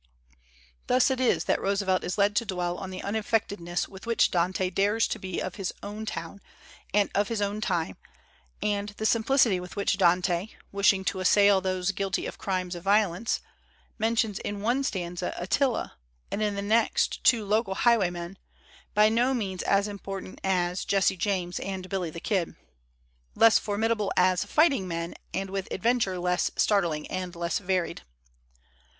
Thus it is that Roosevelt is led to dwell on the unaffectedness with which Dante dares to be of his own town and of his own time, and the simplicity with which Dante, wishing to assail those guilty of crimes of violence, mentions in one stanza Attila and in the next two local highwaymen "by no means as important as Jesse James and Billy the Kid," less formidable as fighting men and with adventures less star tling and less varied.